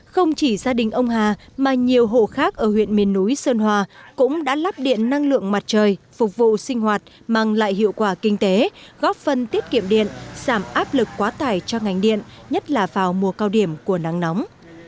không chỉ gia đình ông hà mà nhiều hộ khác ở huyện miền núi sơn hòa cũng đã lắp điện năng lượng mặt trời phục vụ sinh hoạt mang lại hiệu quả kinh tế góp phần tiết kiệm điện giảm áp lực quá tải cho ngành điện nhất là vào mùa cao điểm của nắng nóng